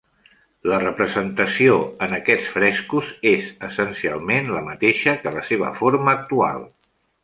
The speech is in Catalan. La representació en aquests frescos és essencialment la mateixa que la seva forma actual.